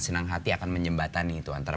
senang hati akan menjembatani itu antara